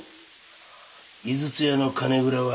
井筒屋の金蔵は。